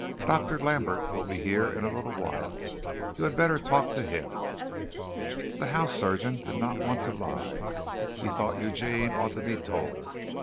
Dr. Lambert will be here in a little while. You had better talk to him." The house surgeon did not want to lie. He thought Eugene ought to be told.